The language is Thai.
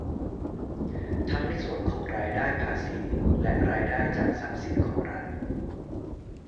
ทั้งในส่วนของรายได้ภาษีและรายได้จากทรัพย์สินของรัฐ